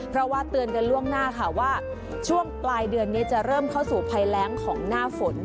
เพราะว่าเตือนกันล่วงหน้าค่ะว่าช่วงปลายเดือนนี้จะเริ่มเข้าสู่ภัยแรงของหน้าฝน